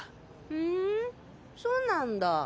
ふんそうなんだ。